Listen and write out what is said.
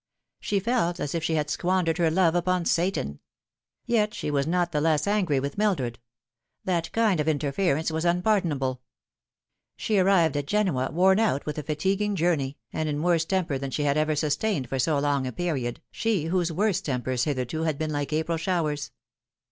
She felt as if she had squandered her love upon Satan. Yet she was not the less angry with Mildred. That kind of interference was un pardonable. She arrived at Genoa worn out with a fatiguing journey, and in a worse temper than she had ever sustained for so long a period, she whose worst tempers hitherto had been like April showers.